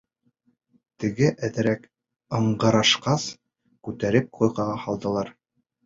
Теге әҙерәк ыңғырашҡас, күтәреп койкаға һалдылар.